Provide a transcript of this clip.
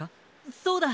そうだ！